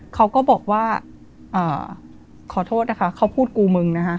เขาก็บอกว่าขอโทษนะคะเขาพูดกูมึงนะคะ